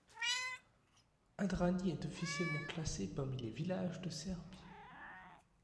Adrani est officiellement classé parmi les villages de Serbie.